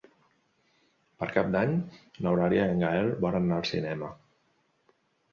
Per Cap d'Any n'Eulàlia i en Gaël volen anar al cinema.